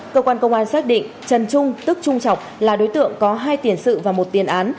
cơ quan công an xác định trần trung tức trung trọng là đối tượng có hai tiền sự và một tiền án